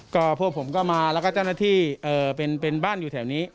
ก็พวกผมก็มาแล้วก็เจ้าหน้าที่เป็นบ้านอยู่แถวนี้